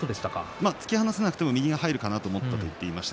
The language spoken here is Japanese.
突き放せなくても右が入るかなと思ったと言っていました。